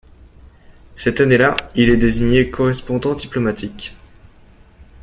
Cette année-là, il est désigné correspondant diplomatique.